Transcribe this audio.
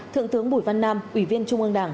thượng tướng bùi văn nam ủy viên trung ương đảng